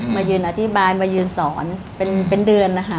มายืนอธิบายมายืนสอนเป็นเดือนนะคะ